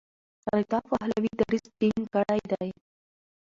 رضا پهلوي دریځ ټینګ کړی دی.